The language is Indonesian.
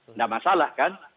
tidak masalah kan